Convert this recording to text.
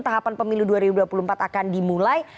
tahapan pemilu dua ribu dua puluh empat akan dimulai